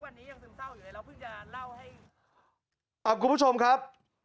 วันนี้ยังซึงเจ้าอยู่นะรบิจารณ่าเล่าให้ไม่รู้ชมครับ